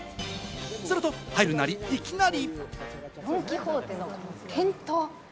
すると入るなり、いきなり。